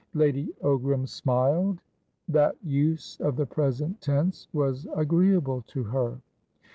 Lady Ogram smiled. That use of the present tense was agreeable to her.